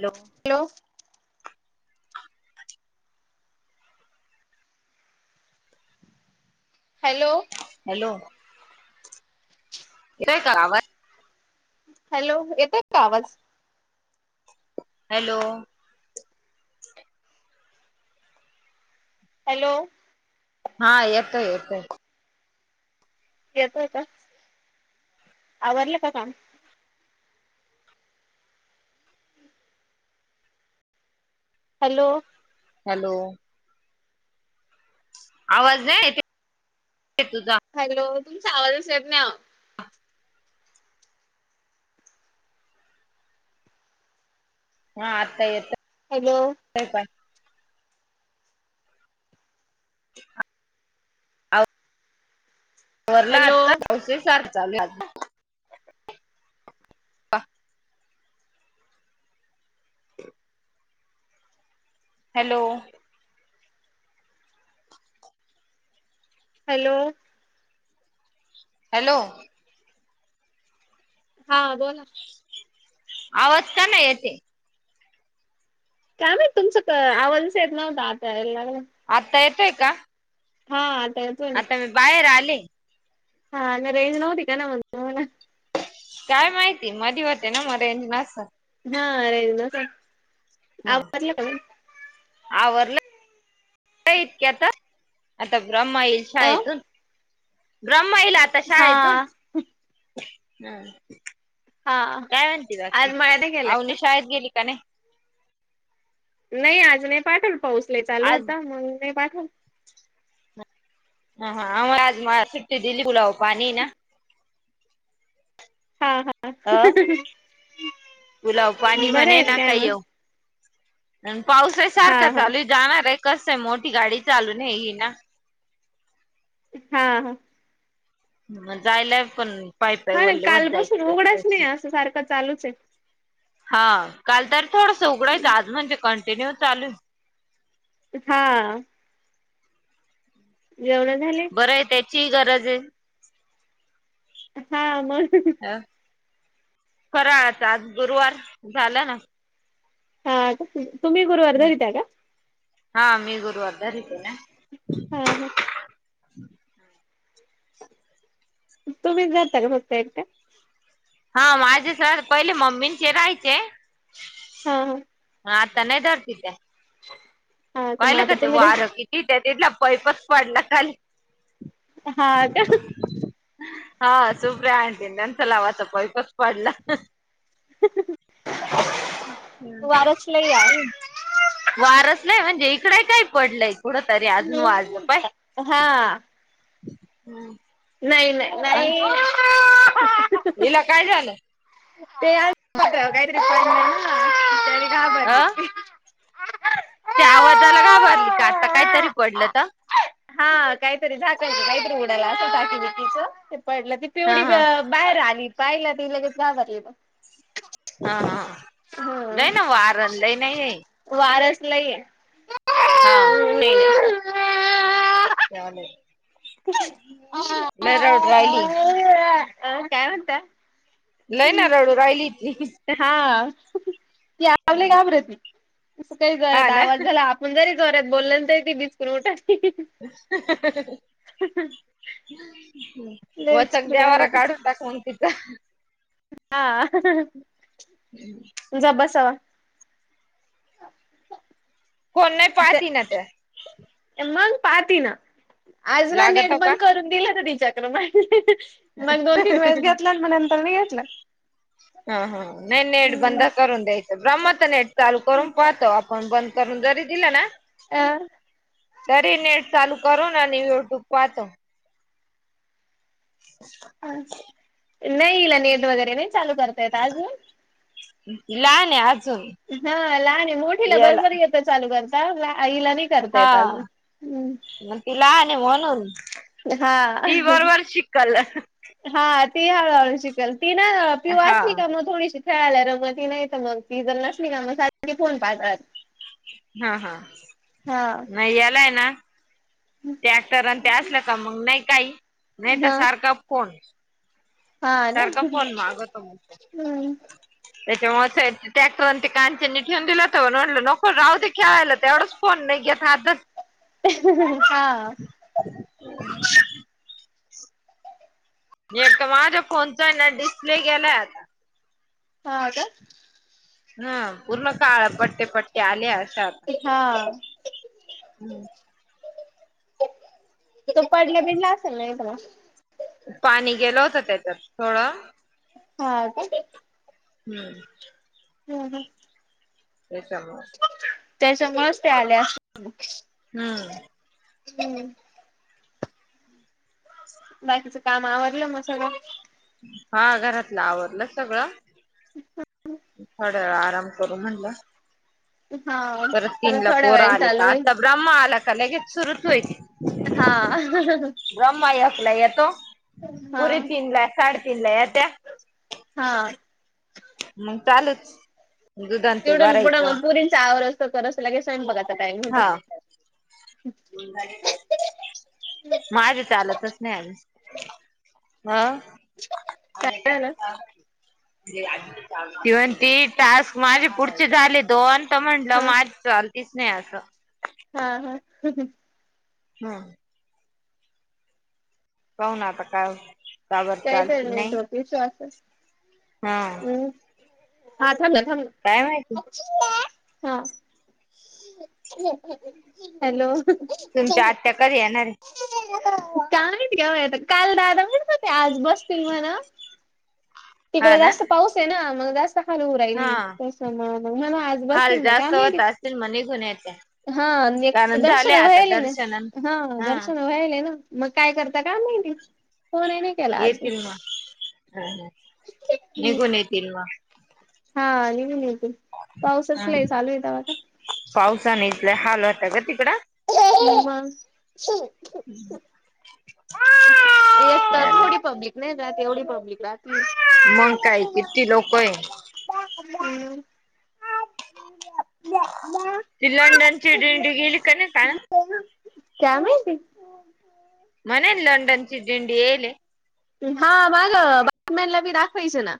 Hello! Hello! Hello! Hello! येतोय का आवाज? हॅलो! येतोय का आवाज? हॅलो! हॅलो! हां येतोय येतोय. येतोय का? आवरलं का काम? हॅलो! हॅलो! आवाज नाही येतेय तुझा. हॅलो! तुमचा आवाज च येत नाही. हां आत्ता येतो हॅलो! तय काय? [inaudible] आवरलं हॅलो आताच [unintelligible] चालू आहे अजून. [inaudible] हॅलो! हॅलो! हॅलो! हां बोला! आवाज का नाही येतेय? काय माहित तुमचं आवाजच येत नव्हता आता यायला लागला. आत्ता येतोय का? हां आता येतोय आता मी बाहेर आले. हां रेज नव्हती का ना मग? [unintelligible] काय माहिती मधी होते ना मग रेंज नसलं. हां रेंज नसलं हा आवज [unintelligible] आवरलं इतक्यात आता ब्रह्मा येईल अ शाळेतून, ब्रह्मा येईल आ ता हा शाळेतून हां. हा काय म्हणते बाकी? आज मळ्याला गेलाय का आवनी शाळेत गेली का नाही? नाही आज नाही पाठवल. पाऊस लई चालू आज होता. मग नाही पाठवल. हा हा आम्हाला आज सुट्टी दिली. पुलाव पाणीय ना. अ पुलाव बरंयन काय म. अन पाऊसय हा सारखा हा चालूय. जाणारय काय मोठी गाडी चालूू नाही हीना. हा ह. य जायलाय पण पाय पाय हा ना, वल्ल होत कालपसून जायचं उघडाच कधी नाही असं, सारखं चालूचे. हा काल तरी थोडंस आहे उघडंयचा. आज म्हणजे कंटिन्यू चालूय. हा. जेवण झाले? बरय त्याचीही गरजे. हा म. अ, फरांळाचा आज गुरुवार झालं ना. हा का? तुम्ही गुरवार धरित्या का? हा मी गुरुवार धरिते ना. हा ह. तुम्ही धरत्या का फक्त एकट्या? हा माझे सोड. पहिले मम्मींचे राहायचे. हा हा आता नाही धरती त्या. हा हा तर मग पायलका आता ते तुम्ही वार कीतीये. त्या तीडला पैपच पडला खाली. हा का? हा सुप्रिया आण नंतला होता. पैपच पडला. वारच लई आज. वारच लय म्हणजे इकड काही पडलंय कुड तरी अजून वाजलं पाय. हा. हम्म. नाही नाही नाही. इला काय झालं? ते आमच्या पत्राव काहीतरी पडलन त्यांनी अ घाबरली ती. त्या आवाजाला घाबरली का? आता कायतरी पडलं त. हा काहीतरी झाकण का काहीतरी उडाला असंल टाकीबीकीच ते पडलं. ति हा पिवढी हा बाहेर आली पाहिला. ती लगेच घाबरली म. हा हा. हम्म लही ना वारण लय ना हे. वारच लईये. हा. [inaudible] चालेल. [inaudible] लय रडू राहिली. अ काय म्हणता लई ना रडू राहिली ती. हा. ती आव लई घाबरती. अस काही हा जोरात ना आवाज झाला, आपण जरी जोरात बोलंत ती बिस्कुून उठती. [inaudible] हम्म. लय वचक विचित्र काय देवारा माहिती काढून टाक म तीचा. हा [unintelligible] तुझ्या बसवा फोन नाही पाहती ना त्या. मंग पाहती ना, आज ना नेट लागतो का? बंद करून दिलं होत तिच्याक मंग दोन-तीन वेळेस घेतल अन म नंतर नाही घेतल. हा हा नाही नेट बंद करून द्यायचं, ब्रह्म तर नेट चालू करून पाहतो आपण बंद करून जरी दिल ना अ तरी नेट चालू करून आणि युट्यूब पाहतो. [unintelligible] ह, नाही हीला नेट वगैरे नाही चालू करता येत आजून लहान आहे अजून. हा लहान आहे, मोठीला याला बरोबर येत चालू करता लहा हिला नाही. करता हा येत अजून. म ती लहान आहे म्हणून ती ही हा बरोबर शिकल. हा ती हळूहळू शिकल, ती ना अ पिऊ हा असली का मग थोडीशी खेळायला रमती नाही तर मंग ती जर नसली का मग सारखी फोन पाहत राहती. हा हा, नाही यालाय ना टॅक्टर आणि ते असलं का मंग नाही काही नाही तर, हा सारखा फोन हा ना सारखा फोन मागतो मंग. हम्म त्याच्यामुळं खे टॅक्टर अन ते कांचन नी ठेवून दिलं होत म्हणून म्हंटल नको जाऊदे खेळायला तेवढंच फोन नयी घेत हातात. हा एक तर माझ्या फोनचा आहे ना डिस्प्ले गेलाय आता. हा का. हा, पूर्ण काळा पट्टे पट्टे आले अशात, हा हं की तो पडला बीडला असेल ना एकाद वेळस. पाणी गेलं होतं त्याच्यात थोडं हा का. हम्म [unintelligible] त्याच्यामुळं त्याच्यामुळच ते आले असतील. हम्म हम्म बाकीचं काम आवरलं मग सगळं? हा घरातल आवरल सगळ, [inaudible] जरा आराम करू म्हणलं हा परत तीनला थोड्या पोरं वेळाने आले चालू का, होईल आता ब्राम्हा आला का लगेच सुरूच होईल. हा ब्रम्हा एक ला येतो, हा पुरी तीनला साडेतीन ला येत्या. हा मंग चालूच दुधान ते तीडून पुढं भरायचं मग पुरींच आवरस्तोवर करस्तो, लगेच स्वयंपाकाचा टायम होतो. हा [unintelligible] माझे चालतच नाही अजून हा काय झालं [unintelligible] ती म्हणते टास्क माझे पुढचे झाले दोन. तर म्हंटलं हा माझ चाललीच नाही असं हा हा. हा. पाहूना आता काय का बर काय चालती चाललय नाही टोपीसवाच. हा हम्म हा थांब ना थांब ना. काय माहिती हा हॅलो. तुमच्या आत्या कधी येणार आहेत? काय माहिती आहो आता काल दादा म्हणत होते आज बसतील म्हण हा तिकडे ना जास्त पाऊस आहे ना मग असा खाली होऊ हा राहिली तस मग म्हणा आज हाल बसतील म काय जास्त माहिती होत असतील मग निघून येत्या. हां नेकच कारण झाले दर्शन आता व्हायले ना दर्शनन हा दर्शन व्हाले ना. मग काय करता काय माहिती फोन नाही केला आज मी. हम्म हम्म निघून येतील मग. हां निघून येतील, पाऊसच ह लय चालूय तवा तर. पावसाने इथले हाल होता ग तिकड का मग चालेल. नाय जात एवढी प्रॉब्लिक राहती मंग काय किती लोक आहे. हम्म. ती लंडन ची दिंडी गेली का नाय काल. काय माहिती? म्हणे लंडनची दिंडी येली हां माग बातम्यांना बी दाखवायचं ना.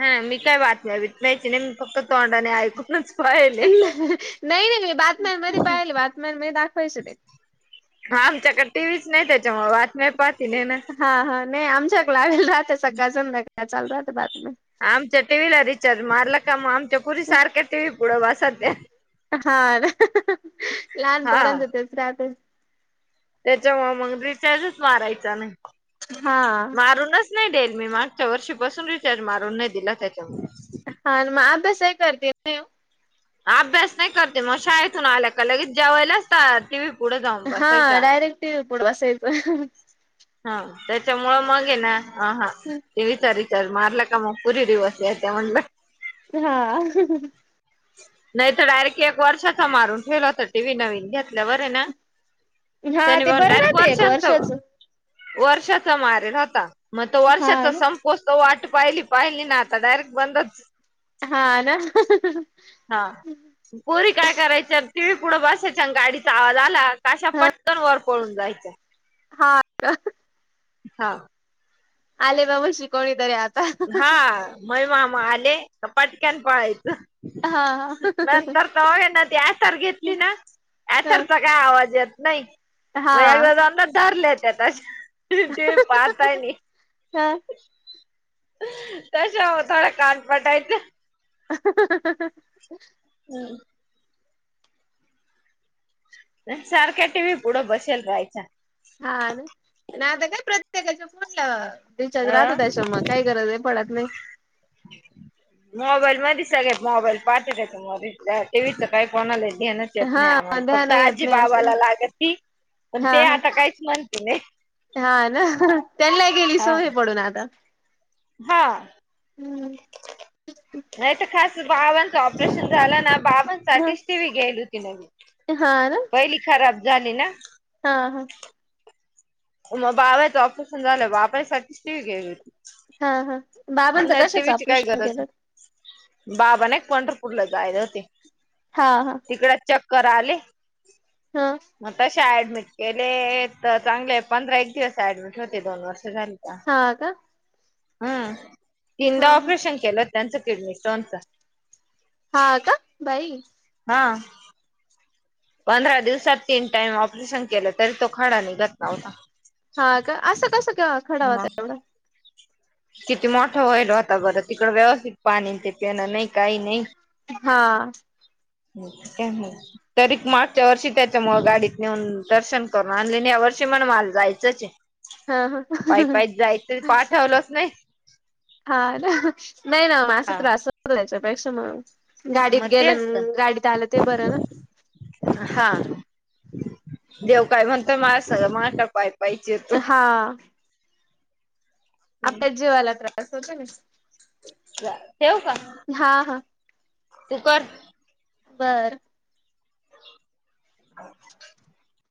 हां मी काय बातम्या बितम्याची नाही मी फक्त तोंडाने ऐकूनच पाहिले. नाही नाही बातम्यांमध्ये पाहिली बातम्यांमध्ये दाखवायचे ते. आमच्याकडे टीव्हीच नाही त्याच्यामुळे बातम्या पाहतील नाय. हा हा नाही आमच्या [unintelligible] सकाळ संध्याकाळ चालू राहत बातम्या. आमच्या टीव्ही ला रिचार्ज मारला का मग आमच्या पोरी सारख्या टीव्ही पुढे बसतत्या. हां ना, लहान हा पोरांचं तेच राहते. त्याच्यामुळे मग रिचार्जच मारायचा नाही, हा मारूनच नाही देईल मी मागच्या वर्षीपासून रिचार्ज मारून नाही दिला त्याच्यामुळे. हा आणि मग अभ्यासाई करते ते अभ्यास नाही करते मग शाळेतून आल्या का लगेच जेवायलाच ताट टीव्ही पुढे जाऊन हां बसायच्या. डायरेक्ट टीव्ही पुढे बसायचं. हां त्याच्यामुळे मग आहे ना हा हा टीव्ही तरी रिचार्ज मारलं का मग पुरी दिवस याय ते म्हणलं हा. नाही तर डायरेक्ट एक वर्षाचा मारून ठेवला होता टी व्ही नवीन घेतल्यावर आहे ना. हा त्यांनी ते पण बरं डायरेक्ट राहते एक वर्षाच वर्षाचा मारल होता मग तो हा वर्षाचा ना. सं वाट पाहिली ना आता डायरेक्ट बंदच, हा ना हा पोरी काय करायच्या टीव्ही पुढं बसायच्या गाडीचा आवाज आला आशा पटकन वर पळून जायचं. [unintelligible] हा आले बाबा शिकवडे आ [unintelligible] हा मय मामा आले पटक्यान पहायचं हा हा नंतर तरघे ना ती आथर घेतली ना आथरचा काय आवाज येत नाही. मग हा एकदा जान धरलेता ते पाहताय नाही [inaudible] हम्म तशा थोड कान पटायचं इ [unintelligible] हम्म सारख्या टी बसेल राहायचा. हा नाही आता काय प्रत्येकाच्या फोन राहत हो अ त्याच्या मग, काय गरज आहे पडत नाही. मोबाईल मध्ये सगळ्यात मोबाईल पाठत त म टीव्हीत काय कोणालाे. हा नाही ध्यान फक्त येत आजी नाही असं ना. बाबाला लागत ती पण हा ते हा आता काहीच म्हणते नाही. हा ना त्यांना गेली हा सोय पडून आता. हा भावांच ऑपरेशन झाला ना, भावां हा साठीच टी व गेली होती नवी हा ना पहिली खराब झाले ना. हा हा मग बाबाचं ऑपरेशन झालं बापाईसाठीठीच टी व गेली होती. हा हा बाबांचा नाही कशाच टीव्हीची काय आॅपरेशन गरज केेलं. बाबा नाही एक पंढरपूरला जायला होते हा हा तिकड च कराले. हा मग तसे ऍडमिट केले तर चांगले पंधरा एक दिवस ऍडमिट होते दोन वर्ष तुम्हच झालं का. हा का हा तीनदा ह ऑपरेशन केलं त्यांचं किडनी स्टोनच हा का बाई. हा पंधरा दिवसात तीन टाइम ऑपरेशन केलं तरी तो खडा निघत नव्हता. हा का असं कसं केव खड मग होत्याय. किती मोठं होईल होता बरं तिकड व्यवस्थित पाणी ते पिणं नाही काही नाही. हा हो काय तरी मागच्या वर्षी त्यांच्यामुळे गाडीत नेऊन दर्शन करून आणली या वर्षी म्हण मला जायचंच आहे. हा ह पाय पाय जायचरी पाय ठेवलच नाही. हा नाही ना मां हा त्रासयच्यापेक्षा म्हणून मग गाडीत ते गेलं असत गाडीत आलं ते बरं ना हा देव काय म्हणत माला सगळं म टपाय हा. आपल्या जीवाला त्रास होतो ना. ठेव का? हा हा [inaudible] तू कर. बरं. [inaudible]